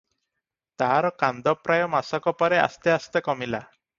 ତାର କାନ୍ଦ ପ୍ରାୟ ମାସକ ପରେ ଆସ୍ତେ ଆସ୍ତେ କମିଲା ।